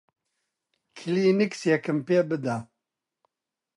کلێنکسێکم پێ بدە.